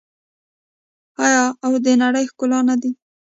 آیا او د نړۍ ښکلا نه دي؟